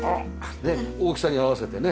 大きさに合わせてね。